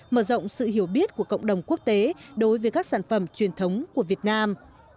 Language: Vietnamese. mở rộng sự hiểu biết của cộng đồng quốc tế đối với các sản phẩm truyền thống của việt nam